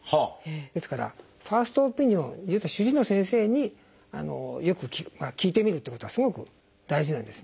ですからファーストオピニオン主治医の先生によく聞いてみるってことはすごく大事なんですね。